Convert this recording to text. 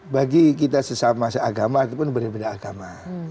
bagi kita sesama seagama ataupun berbeda agama